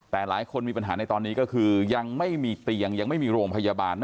แต่หลายคนมีปัญหาในตอนนี้ก็คือยังไม่มีเตียงยังไม่มีโรงพยาบาล